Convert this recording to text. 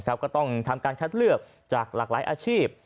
ก็ต้องทำการคัดเลือกจากหลากหลายอาชีพ